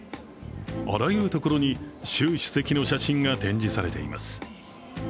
あらゆるところに、習主席の写真が展示されています。